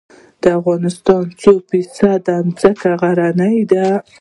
د افغانستان څو فیصده ځمکه غرنۍ ده؟